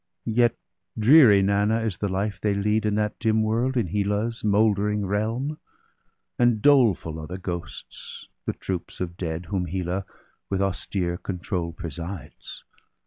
Yet dreary, Nanna, is the life they lead In that dim world, in Hela's mouldering realm; And doleful are the ghosts, the troops of dead, Whom Hela with austere control presides.